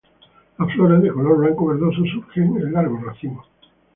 Las flores, de color blanco verdoso, surgen en largos racimos.